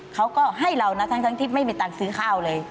เขาก็ให้เรานะทั้งที่ไม่มีตังค์ซื้อข้าวเลย